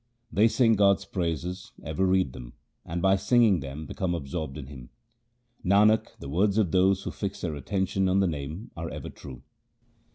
They sing God's praises, ever read them, and by singing them become absorbed in Him. Nanak, the words of those who fix their attention on the Name are ever true.